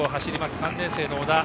３年生の小田。